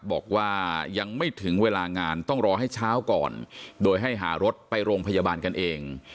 บอกว่ายังไม่ถึงเวลางานต้องรอให้เช้าก่อนโดยให้หารถไปโรงพยาบาลกันเอง